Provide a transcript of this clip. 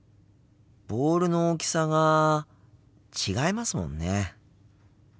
ボールの大きさが違いますもんね。